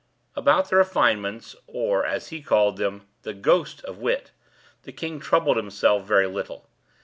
About the refinements, or, as he called them, the "ghost" of wit, the king troubled himself very little.